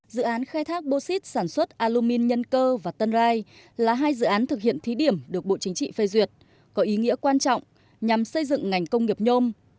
dự án khai thác bô xít sản xuất alumin nhân cơ và tân rai là hai dự án thực hiện thí điểm được bộ chính trị phê duyệt có ý nghĩa quan trọng nhằm xây dựng ngành công nghiệp nhôm